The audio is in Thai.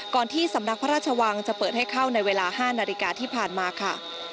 ที่สำนักพระราชวังจะเปิดให้เข้าในเวลา๕นาฬิกาที่ผ่านมาค่ะ